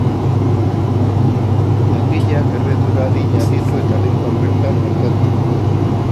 Langileak erredura arinak ditu eta lekuan bertan artatu dute.